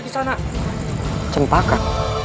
di sana cempaka